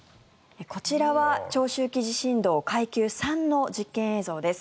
こちらは長周期地震動階級３の実験映像です。